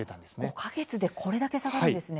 ５か月でこれだけ下がるんですね。